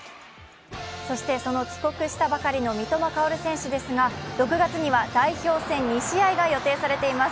そしてその帰国したばかりの三笘薫選手ですが６月には代表戦２試合が予定されています。